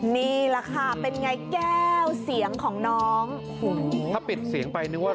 นี่แหละค่ะเป็นไงแก้วเสียงของน้องถ้าปิดเสียงไปนึกว่า